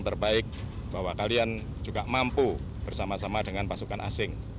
terbaik bahwa kalian juga mampu bersama sama dengan pasukan asing